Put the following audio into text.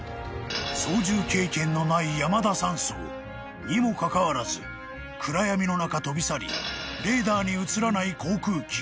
［操縦経験のない山田三曹にもかかわらず暗闇の中飛び去りレーダーに映らない航空機］